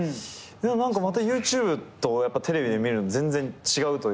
何かまたＹｏｕＴｕｂｅとテレビで見るの全然違うというか。